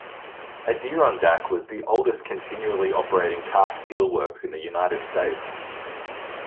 Adirondack was the oldest continually operating cast-steel works in the United States.